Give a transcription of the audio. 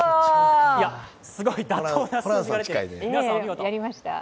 すごい妥当な数字が出て、皆さんお見事。